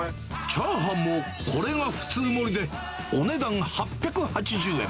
チャーハンもこれが普通盛りで、お値段８８０円。